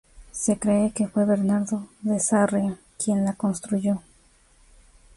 Se cree que fue Bernardo de Sarriá quien la construyó.